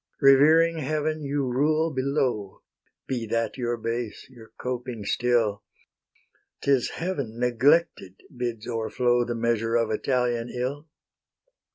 Revering Heaven, you rule below; Be that your base, your coping still; 'Tis Heaven neglected bids o'erflow The measure of Italian ill.